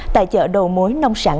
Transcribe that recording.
tại chợ đầu mối nông sản